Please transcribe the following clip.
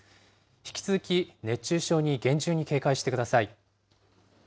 引き続き熱中症に厳重に警戒してください。